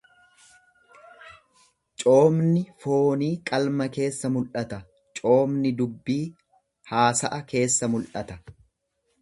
Coomni foonii qalma keessa mul'ata, coomni dubbii haasa'a keessa mul'ata.